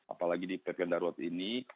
apalagi di ppkm darurat ini